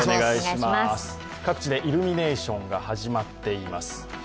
各地でイルミネーションが始まっています。